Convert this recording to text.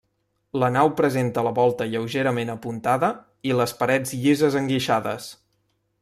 La nau presenta la volta lleugerament apuntada i les parets llises enguixades.